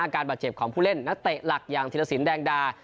อาการบาดเจ็บของผู้เล่นณเตะหลักอย่างธิรษศิลป์แดงดา